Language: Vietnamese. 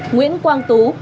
nguyễn quang tú